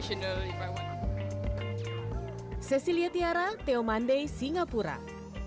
jika saya ingin saya akan memilih uang tradisional